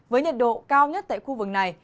với nhiệt độ cao nhất tại khu vực này